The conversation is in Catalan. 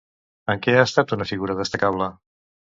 En què ha estat una figura destacable?